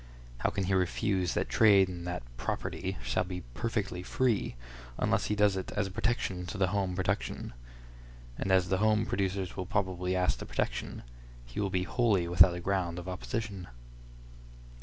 How can he refuse that trade in that "property" shall be "perfectly free," unless he does it as a protection to the home production? And as the home producers will probably ask the protection, he will be wholly without a ground of opposition.